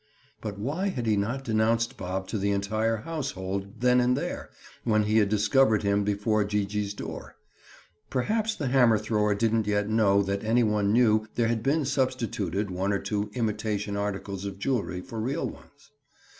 But why had he not denounced Bob to the entire household, then and there, when he had discovered him before Gee gee's door? Perhaps the hammer thrower didn't yet know that any one knew there had been substituted one or two imitation articles of jewelry for real ones.